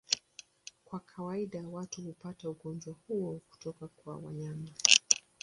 Kwa kawaida watu hupata ugonjwa huo kutoka kwa wanyama.